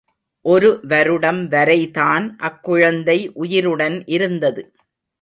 ஒரு வருடம் வரை தான் அக்குழந்தை உயிருடன் இருந்தது.